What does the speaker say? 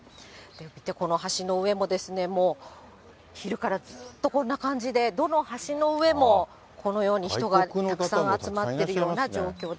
この橋の上も、もう昼からずっとこんな感じで、どの橋の上も、このように人がたくさん集まっているような状況で。